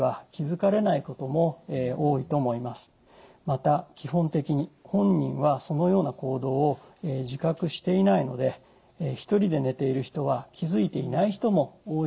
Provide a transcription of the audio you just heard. また基本的に本人はそのような行動を自覚していないので１人で寝ている人は気づいていない人も多いのではないでしょうか。